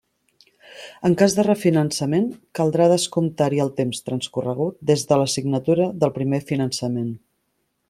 En cas de refinançament, caldrà descomptar-hi el temps transcorregut des de la signatura del primer finançament.